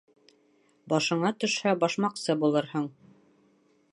Башыңа төшһә, башмаҡсы булырһың.